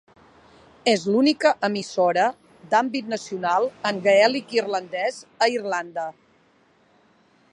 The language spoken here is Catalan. És l'única emissora d'àmbit nacional en gaèlic irlandès a Irlanda.